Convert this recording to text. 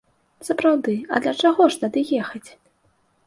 Сапраўды, а для чаго ж тады ехаць?